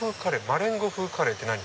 マレンゴ風カレーって何？